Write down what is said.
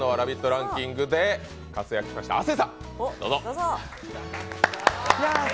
ランキングで活躍しました亜生さん、どうぞ。